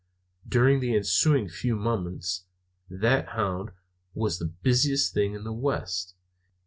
During the ensuing few moments that hound was the busiest thing in the West.